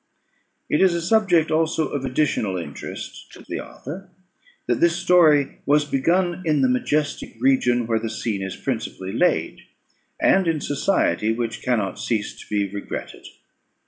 It is a subject also of additional interest to the author, that this story was begun in the majestic region where the scene is principally laid, and in society which cannot cease to be regretted.